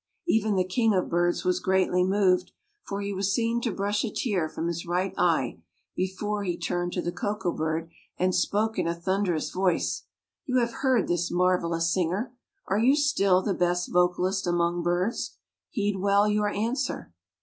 Even the king of birds was greatly moved, for he was seen to brush a tear from his right eye before he turned to the Koko bird and spoke in a thunderous voice: "You have heard this marvelous singer. Are you still the best vocalist among birds? Heed well your answer."